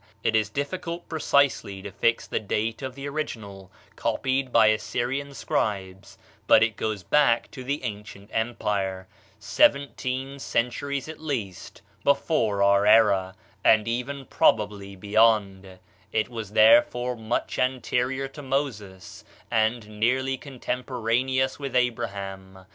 It is difficult precisely to fix the date of the original, copied by Assyrian scribes, but it certainly goes back to the ancient empire, seventeen centuries at least before our era, and even probably beyond; it was therefore much anterior to Moses, and nearly contemporaneous with Abraham.